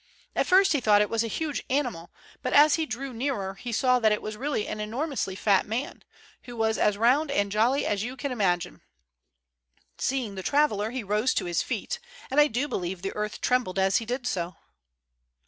At first he thought it was a huge animal, but as he drew nearer he saw that it was really an enormously fat man, who was as round and jolly as you can imagine. Seeing the traveler, he rose to his feet, and I do believe the earth trembled as he did so.